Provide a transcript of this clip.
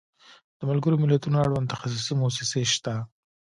د ملګرو ملتونو اړوند تخصصي موسسې شته.